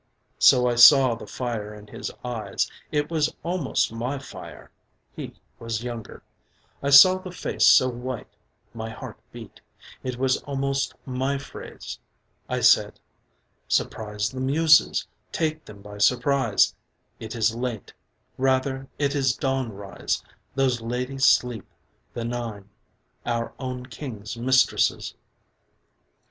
So I saw the fire in his eyes, it was almost my fire (he was younger) I saw the face so white; my heart beat, it was almost my phrase, I said, "surprise the muses, take them by surprise; it is late, rather it is dawn rise, those ladies sleep, the nine, our own king's mistresses."